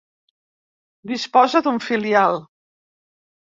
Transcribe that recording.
Disposa d'un filial.